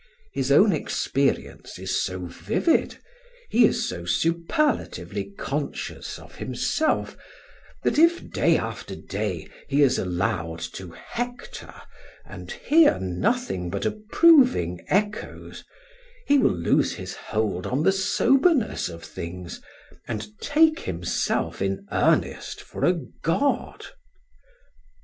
His own experience is so vivid, he is so superlatively conscious of himself, that if, day after day, he is allowed to hector and hear nothing but approving echoes, he will lose his hold on the soberness of things and take himself in earnest for a god.